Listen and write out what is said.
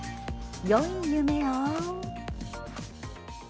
よい夢を。